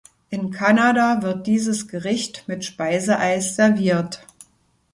In Kanada wird dieses Gericht mit Speiseeis serviert.